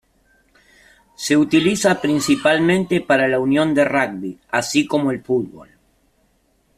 Se utiliza principalmente para la unión de rugby, así como el fútbol.